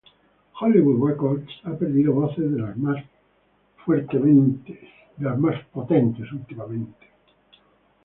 Hollywood Records, ha perdido voces de las más fuertes últimamente.